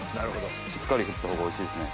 しっかり振った方がおいしいですね。